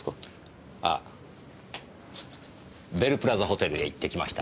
ああベルプラザホテルへ行ってきました。